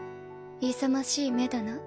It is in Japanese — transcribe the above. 勇ましい目だな。